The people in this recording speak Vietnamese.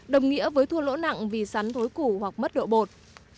đồng nghĩa với thua lỗ nặng vì sắn thối củ hoặc mất độ bột